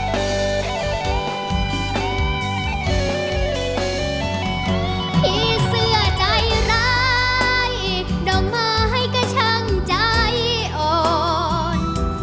ภีร์เสื้อใจร้ายดองไม้กระชั่งใจอ่อน